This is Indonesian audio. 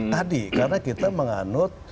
tadi karena kita menganut